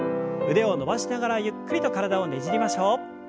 腕を伸ばしながらゆっくりと体をねじりましょう。